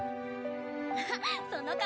あっその顔